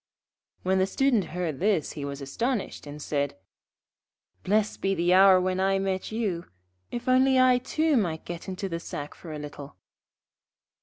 When the Student heard this he was astonished, and said: 'Blessed be the hour when I met you, if only I too might get into the sack for a little.'